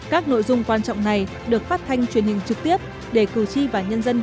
các nội dung quan trọng này được phát thanh truyền hình trực tiếp để cử tri và nhân dân